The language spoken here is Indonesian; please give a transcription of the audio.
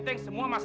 atau kau lagi